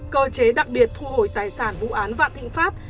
cơ chế đặc biệt thu hồi tài sản vụ án vạn thịnh pháp